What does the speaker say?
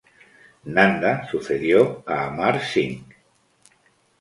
Nanda sucedió a Amar Singh.